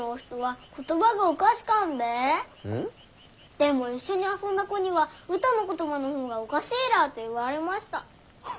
でも一緒に遊んだ子にはうたの言葉の方がおかしいらぁと言われました。